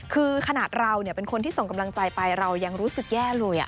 คือขนาดเราเป็นคนที่ส่งกำลังใจไปเรายังรู้สึกแย่เลย